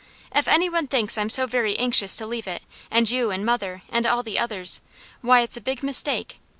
If any one thinks I'm so very anxious to leave it, and you, and mother, and all the others, why it's a big mistake.